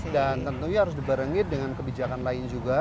dan tentunya harus diberengit dengan kebijakan lain juga